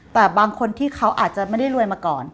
แต่บางคนที่เขาอาจจะไม่ได้รวยมาก่อน